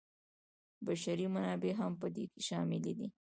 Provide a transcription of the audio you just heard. بشري منابع هم په دې کې شامل دي.